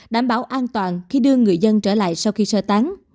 đảm bảo an toàn khi đưa người dân trở lại sau khi sơ tán